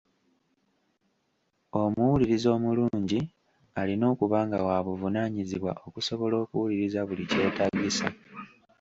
Omuwuliriza omulungi alina okuba nga wa buvunaanyizibwa okusobola okuwuliriza buli kyetaagisa.